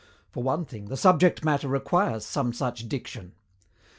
For one thing, the subject matter requires some such diction.